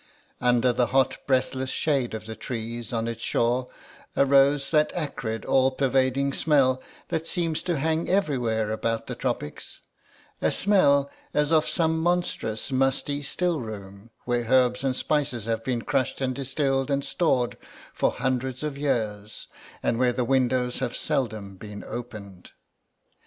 Under the hot breathless shade of the trees on its shore arose that acrid all pervading smell that seems to hang everywhere about the tropics, a smell as of some monstrous musty still room where herbs and spices have been crushed and distilled and stored for hundreds of years, and where the windows have seldom been opened.